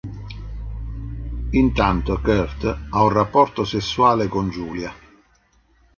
Intanto Kurt ha un rapporto sessuale con Julia.